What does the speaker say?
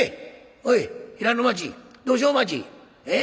おい平野町道修町ええ？